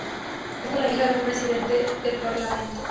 Se casó con la hija de un Presidente del Parlamento.